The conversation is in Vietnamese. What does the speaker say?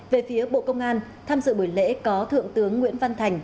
về phía bộ công an tham dự buổi lễ có thượng tướng nguyễn văn thành